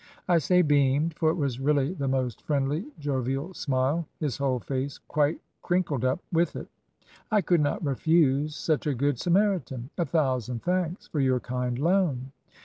I say beamed, for it was really the most friendly, jovial smile; his whole face quite crinkled up with it. "'I could not refuse such a good Samaritan. A thousand thanks for your kind loan.